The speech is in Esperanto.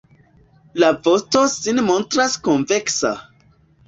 La vosto sin montras konveksa.